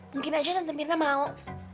mungkin aja tante mirna mau